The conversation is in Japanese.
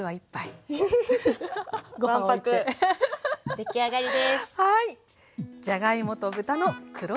出来上がりです。